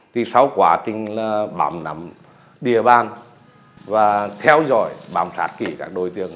thì sau quá trình bám nắm địa bàn và theo dõi bám sát kỹ các đối tượng